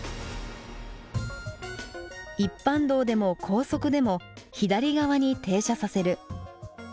一般道でも高速でも左側に停車させる。